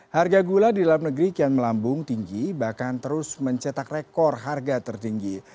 harga gula di dalam negeri kian melambung tinggi bahkan terus mencetak rekor harga tertinggi